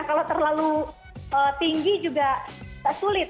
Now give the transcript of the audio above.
kalau terlalu tinggi juga sulit